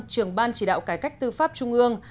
trưởng ban chỉ đạo cải cách tư pháp trung ương